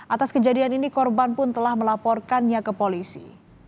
atas kejadian ini korban pun telah melaporkannya ke polisi